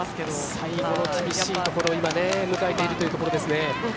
最後の厳しいところ今、迎えているということですね。